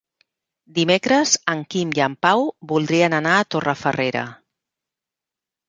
Dimecres en Quim i en Pau voldrien anar a Torrefarrera.